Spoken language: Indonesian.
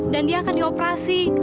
dan dia akan dioperasi